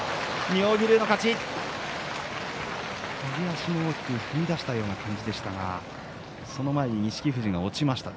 右足も大きく踏み出したような感じでしたがその前に錦富士が落ちました。